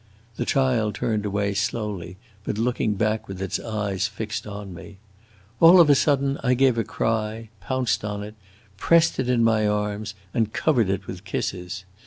The child turned away slowly, but looking back with its eyes fixed on me. All of a sudden I gave a cry, pounced on it, pressed it in my arms, and covered it with kisses.